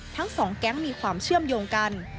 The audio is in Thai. ทั้งสองแก๊งมีความเชื่อมโยงกัน